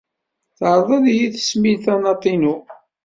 Teɛreḍ ad iyi tesmil tanaḍt-inu.